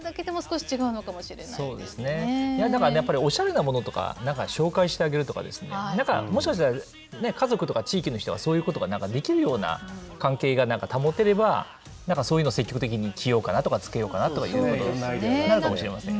やはりだから、おしゃれなものとか、なんか紹介してあげるとか、なんか、もしかしたら、家族とか地域の人が、そういうことができるような関係が保てれば、なんかそういうの、積極的に着ようかなとか、つけようかなということになるかもしれませんよね。